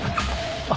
あっ。